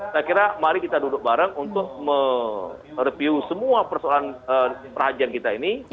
saya kira mari kita duduk bareng untuk mereview semua persoalan perhajian kita ini